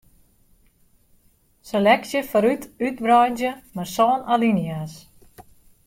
Seleksje foarút útwreidzje mei sân alinea's.